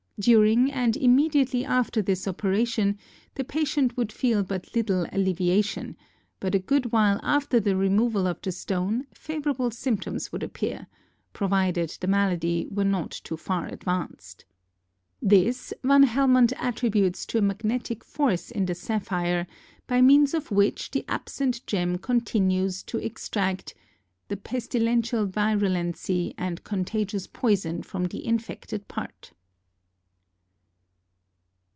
During and immediately after this operation, the patient would feel but little alleviation; but a good while after the removal of the stone, favorable symptoms would appear, provided the malady were not too far advanced. This Van Helmont attributes to a magnetic force in the sapphire by means of which the absent gem continued to extract "the pestilential virulency and contagious poyson from the infected part."